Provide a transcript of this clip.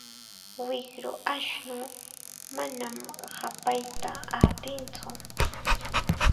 Wiqru ashnuu manam hapayta atintsu.